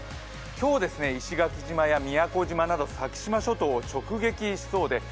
今日、石垣島や宮古島など先島諸島を直撃しそうです。